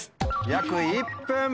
「約１分」。